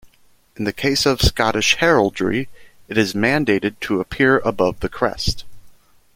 In the case of Scottish heraldry it is mandated to appear above the crest.